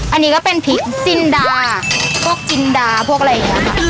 อันนี้ก็เป็นพริกจินดาพวกจินดาพวกอะไรอย่างนี้ค่ะ